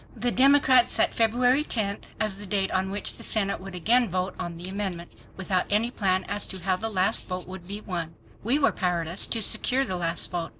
The Democrats set February 10 as the date on which the Senate would again vote on the amendment, without any plan as to how the last vote would be won. We were powerless to secure the last vote.